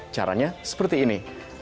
caranya seperti ini